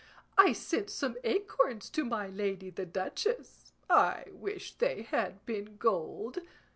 I sent some acorns to my lady the duchess; I wish they had been gold.